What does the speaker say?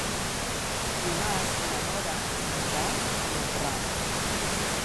Dimarts na Nora anirà a Mont-ral.